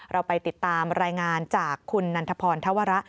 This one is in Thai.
เราไปติดตามรายงานจากคุณนันทพรธวระ